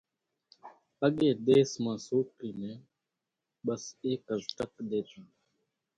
اڳيَ ۮيس مان سوڪرِي نين ٻس ايڪز ٽڪ ۮيتان۔